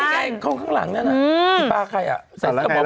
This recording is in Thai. ข้างหลังนั่นอ่ะป้าใครอ่ะ